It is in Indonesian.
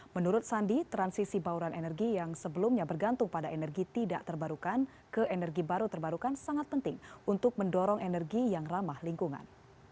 menurut sandi transisi bauran energi yang sebelumnya bergantung pada energi tidak terbarukan ke energi baru terbarukan sangat penting untuk mendorong energi yang ramah lingkungan